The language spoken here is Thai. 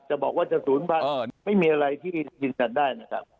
จะบอกว่าจะ๐๐ไม่มีอะไรที่ยืนยันได้นะครับ